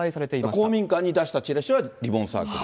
公民館に出したチラシはリボンサークル。